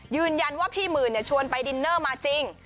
ยืนยันว่าพี่หมื่นชวนไปดินเนอร์มาจริง